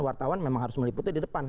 wartawan memang harus meliputnya di depan